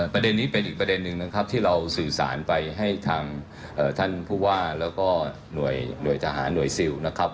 ประเด็นนี้เป็นอีกประเด็นหนึ่งนะครับที่เราสื่อสารไปให้ทางท่านผู้ว่าแล้วก็หน่วยทหารหน่วยซิลนะครับ